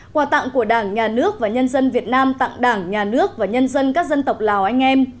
quà tặng của đảng nhà nước và nhân dân việt nam tặng đảng nhà nước và nhân dân các dân tộc lào anh em